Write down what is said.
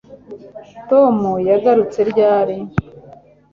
tom yagarutse ryari